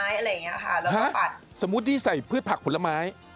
อะไรอย่างเงี้ยค่ะแล้วก็ปัดสมมุติที่ใส่พืชผักผลไม้